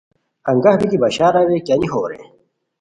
انگہ بیتی بشار اریر کیانی ہو رے